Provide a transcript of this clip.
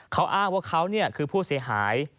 เขาอ้างว่าเขาคือผู้เสียหาย